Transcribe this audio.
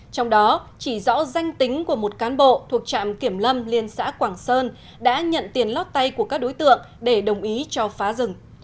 trong đó chỉ rõ danh tính của một cán bộ thuộc trạm kiểm lâm liên xã quảng sơn đã nhận tiền lót tay của các đối tượng để đồng ý cho phá rừng